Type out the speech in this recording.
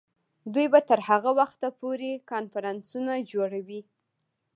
دوی به تر هغه وخته پورې کنفرانسونه جوړوي.